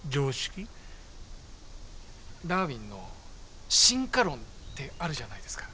ダーウィンの進化論ってあるじゃないですか。